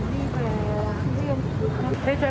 để em tham khảo